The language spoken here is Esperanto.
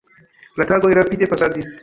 La tagoj rapide pasadis.